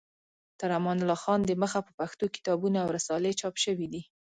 تر امان الله خان د مخه په پښتو کتابونه او رسالې چاپ شوې دي.